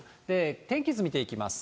天気図見ていきます。